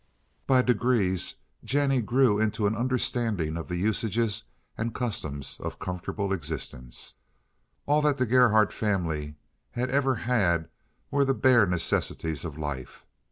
By degrees Jennie grew into an understanding of the usages and customs of comfortable existence. All that the Gerhardt family had ever had were the bare necessities of life.